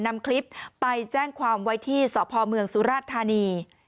นำคลิปไปแจ้งความไว้ที่สพเมืองสุราชธานี